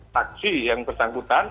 saksi yang bersangkutan